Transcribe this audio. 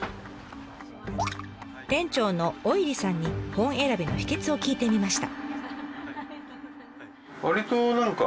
店長の笈入さんに本選びの秘けつを聞いてみました。